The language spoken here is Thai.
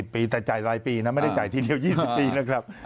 ปีแต่จ่ายรายปีนะไม่ได้จ่ายทีเดียว๒๐ปีนะครับ